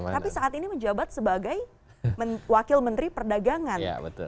tapi saat ini menjabat sebagai wakil menteri perdagangan